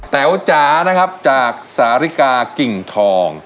แต๋วจ๋าจากสกกิ่งทอง